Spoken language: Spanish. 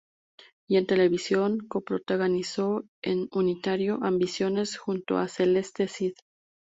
Y en televisión coprotagonizó en unitario "Ambiciones", junto a Celeste Cid.